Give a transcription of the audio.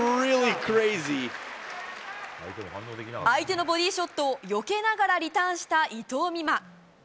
相手のボディーショットをよけながらリターンした伊藤美誠。